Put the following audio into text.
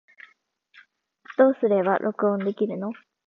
どうすれば録音できるの